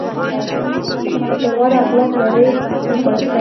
که غوره اخلاق لرې نو ښایسته یې!